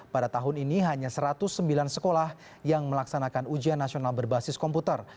pada tahun ini hanya satu ratus sembilan sekolah yang melaksanakan ujian nasional berbasis komputer